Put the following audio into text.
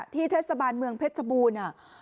เทศบาลเมืองเพชรชบูรณ์